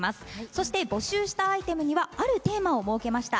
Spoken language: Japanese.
そして募集したアイテムにはあるテーマを設けました。